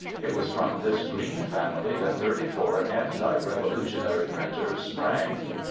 It was from this Green family that thirty four anti revolutionary printers sprang.